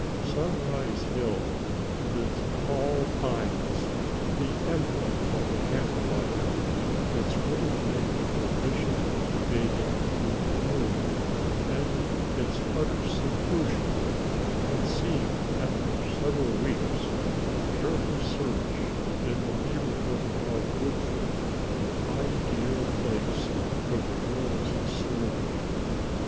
Sunrise Hill, with its tall pines the emblem of the Camp Fire its wooded lake for fishing, bathing and canoeing, and its utter seclusion, had seemed, after several weeks of careful search in the neighborhood about Woodford, the ideal place for the girls' summer camp.